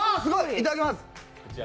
いただきます。